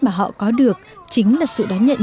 mà họ có được chính là sự đón nhận